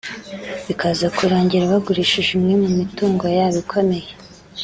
bikaza kurangira bagurishije imwe mu mitungo yabo ikomeye